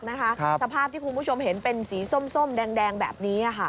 สภาพที่คุณผู้ชมเห็นเป็นสีส้มแดงแบบนี้